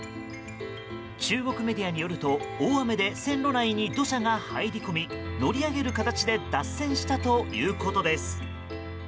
中国メディアによると大雨で線路内に土砂が入り込み乗り上げる形で脱線したということです。